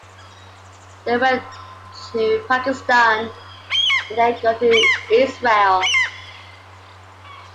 They went to Pakistan and then on to Israel.